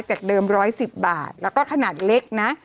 จากเดิม๑๑๐บาทแล้วก็ขนาดเล็กนะ